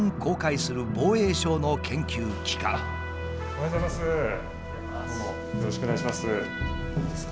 おはようございます。